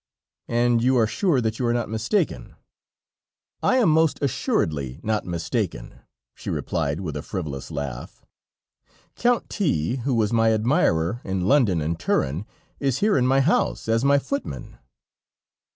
"And you are sure that you are not mistaken?" "I am most assuredly not mistaken," she replied with a frivolous laugh; "Count T , who was my admirer in London and Turin, is here in my house, as my footman."